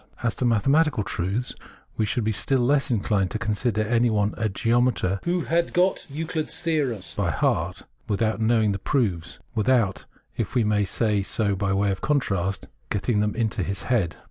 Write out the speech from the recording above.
—' As to mathematical truths, we should be still less inclined to consider anyone a geometer who had got Euchd's theorems by heart (auswendig) without know ing the proofs, without, if we may say so by way of contrast, getting them into his head {inwendig).